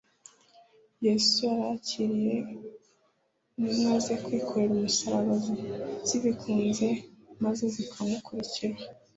Yesu yararikiye intumwa ze kwikorera umusaraba zibikunze maze zikamukurikira.